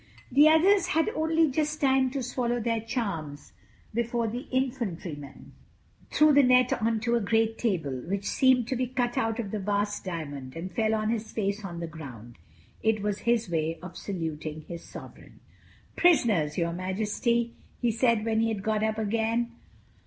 The others had only just time to swallow their charms before the Infantryman threw the net onto a great table, which seemed to be cut out of one vast diamond, and fell on his face on the ground. It was his way of saluting his sovereign. "Prisoners, your Majesty," he said when he had got up again.